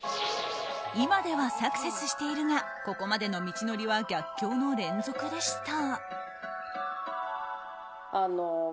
今ではサクセスしているがここまでの道のりは逆境の連続でした。